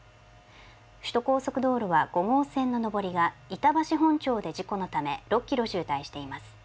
首都高速道路は５号線の上りが板橋本町で事故のため６キロ渋滞しています。